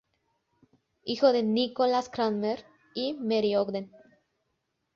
Hijo de Nicholas Cranmer y Mary Ogden.